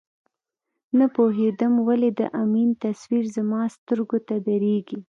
نه پوهېدم ولې د امین تصویر زما سترګو ته درېږي.